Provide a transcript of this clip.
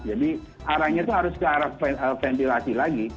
jadi arahnya itu harus ke arah ventilasi lagi